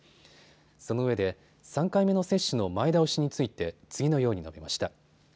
そのうえで３回目の接種の前倒しについて次のように述べました。